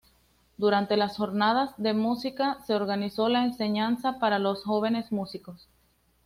Durante las Jornadas de Música, se organizó la enseñanza para los jóvenes músicos.